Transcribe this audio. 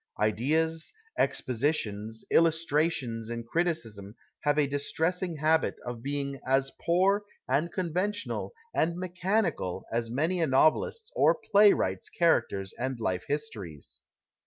Ideas, expo sitions, illustrations in criticism have a distressing habit of being as poor and conventional and nicciiani eal as many a novelists or playwrights characters and life histories.